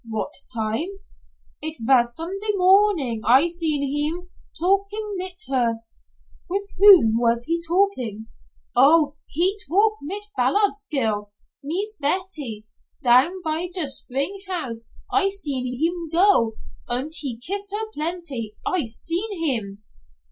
"What time?" "It vas Sunday morning I seen heem, talkin' mit her." "With whom was he talking?" "Oh, he talk mit Ballards' girl Mees Betty. Down by der spring house I seen heem go, und he kiss her plenty I seen heem."